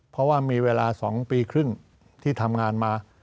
เพราะว่ามีเวลา๒ปีครึ่งที่ทำงานมา